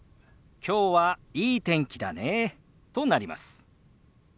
「きょうはいい天気だね」となります。